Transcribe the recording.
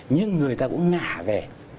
nhưng người ta cũng ngả về